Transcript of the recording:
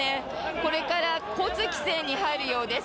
これから交通規制に入るようです。